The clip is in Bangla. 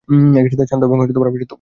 একইসাথে শান্ত এবং আভিজাত্যপূর্ণ।